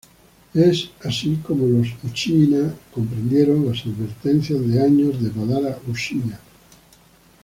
Es así como los Uchiha comprendieron las advertencias de años de Madara Uchiha.